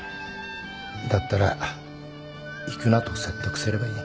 だったら行くなと説得すればいい。